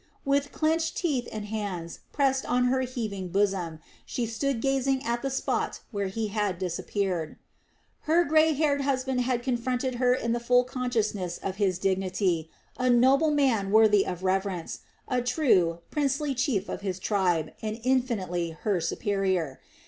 With clenched teeth and hands pressed on her heaving bosom, she stood gazing at the spot where he had disappeared. Her grey haired husband had confronted her in the full consciousness of his dignity, a noble man worthy of reverence, a true, princely chief of his tribe, and infinitely her superior.